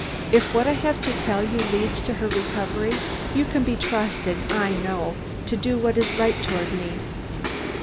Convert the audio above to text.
If what I have to tell leads to her recovery, you can be trusted, I know, to do what is right toward me.